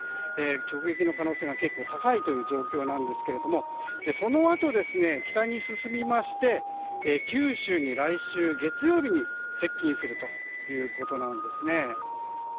直撃の可能性が高いという状況なんですけどそのあと、北に進みまして九州に来週月曜日に接近するということなんですね。